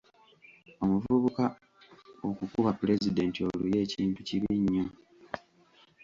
Omuvubuka okukuba Pulezidenti oluyi ekintu kibi nnyo.